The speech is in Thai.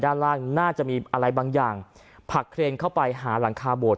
ด้านล่างน่าจะมีอะไรบางอย่างผลักเครนเข้าไปหาหลังคาโบด